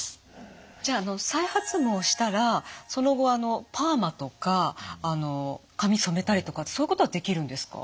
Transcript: じゃああの再発毛したらその後あのパーマとか髪染めたりとかそういうことはできるんですか？